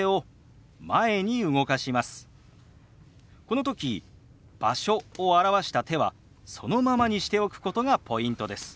この時「場所」を表した手はそのままにしておくことがポイントです。